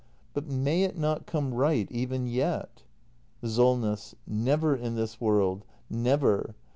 ] But may it not come right even yet ? SOLNESS. Never in this world — never.